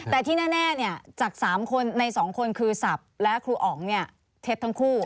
แต่ที่แน่จาก๓คนใน๒คนคือศัพท์และครูอ๋องเท็จทั้งคู่